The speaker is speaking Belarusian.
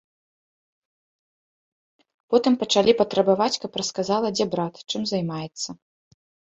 Потым пачалі патрабаваць, каб расказала, дзе брат, чым займаецца.